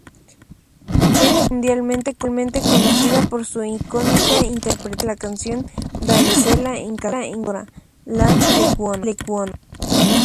Es mundialmente conocida por su icónica interpretación de la canción ""Damisela encantadora"" de Lecuona.